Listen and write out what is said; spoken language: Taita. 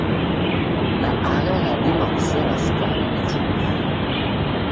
Na agha ghadima kusera sukari ichumbie.